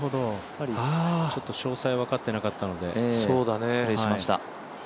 詳細が分かっていなかったので、失礼しました。